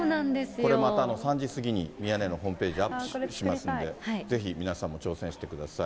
これまた３時過ぎにミヤネ屋のホームページにアップしますんで、ぜひ皆さんも挑戦してください。